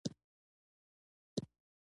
پخپله به خود همداسې وي.